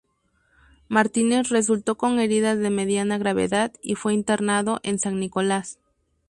Martínez resultó con heridas de mediana gravedad y fue internado en San Nicolás.